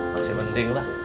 pasti penting lah